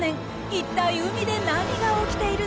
一体海で何が起きているのか？